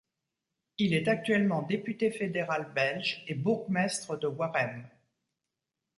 Il est actuellement député fédéral belge et bourgmestre de Waremme.